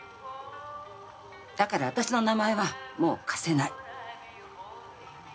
だから私の名前はもう貸せない。